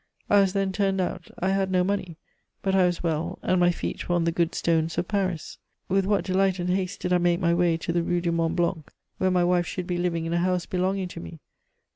I was then turned out; I had no money, but I was well, and my feet were on the good stones of Paris. With what delight and haste did I make my way to the Rue du Mont Blanc, where my wife should be living in a house belonging to me!